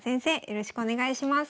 よろしくお願いします。